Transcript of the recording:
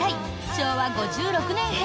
昭和５６年編。